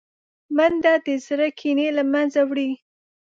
منډه د زړه کینې له منځه وړي